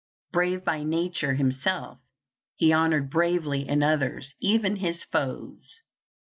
Brave by nature himself, he honored bravery in others, even his foes.